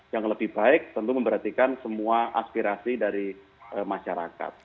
yang lebih baik tentu memperhatikan semua aspirasi dari masyarakat